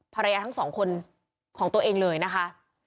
พระยาทั้ง๒คนของตัวเองเลยนะคะ